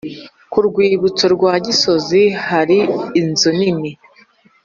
Ku rwibutso rwa Gisozi hari inzu nini